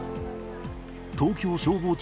東京消防庁